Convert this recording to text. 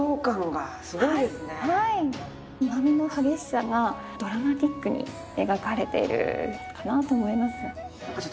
波の激しさがドラマチックに描かれているかなと思います。